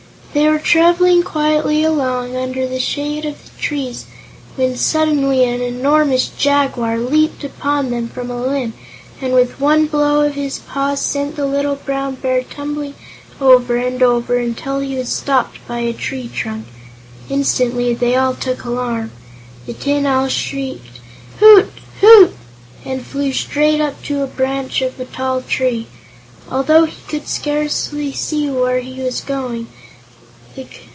They were traveling quietly along, under the shade of the trees, when suddenly an enormous jaguar leaped upon them from a limb and with one blow of his paw sent the little Brown Bear tumbling over and over until he was stopped by a tree trunk. Instantly they all took alarm. The Tin Owl shrieked: "Hoot hoot!" and flew straight up to the branch of a tall tree, although he could scarcely see where he was going.